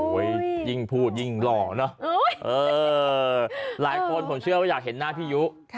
ยิ่งพูดยิ่งหล่อเนอะหลายคนผมเชื่อว่าอยากเห็นหน้าพี่ยุ